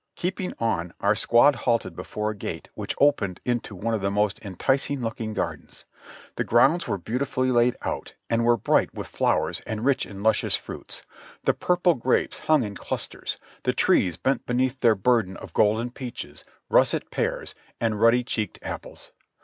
Keeping on, our squad halted before a gate which opened into one of the most enticing looking gardens; the grounds were beautifully laid out and were bright with flowers and rich in THE BATTI.E OE SHARPSBURG 28/ luscious fruits: the purple grapes hung in chisters, the trees bent beneath their burden of golden peaches, russet pears and ruddy cheeked apples.